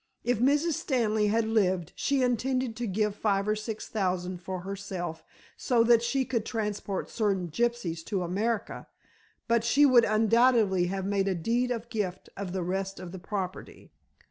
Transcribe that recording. If Mrs. Stanley had lived she intended to keep five or six thousand for herself so that she could transport certain gypsies to America, but she would undoubtedly have made a deed of gift of the rest of the property.